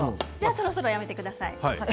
そろそろやめてください。